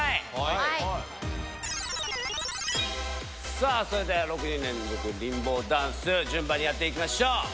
さぁそれでは６人連続リンボーダンス順番にやっていきましょう。